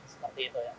seperti itu ya